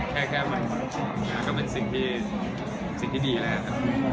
แค่มันก็เป็นสิ่งที่ดีแล้วครับ